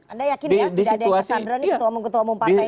anda yakin ya tidak ada yang tersandra